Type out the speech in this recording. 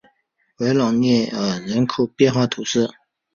维朗涅尔人口变化图示